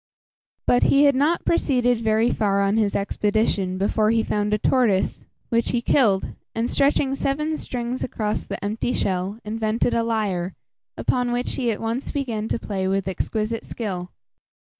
But he had not proceeded very far on his expedition before he found a tortoise, which he killed, and, stretching seven strings across the empty shell, invented a lyre, upon which he at once began to play with exquisite skill.